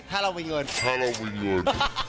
ถ้าเรามีเงิน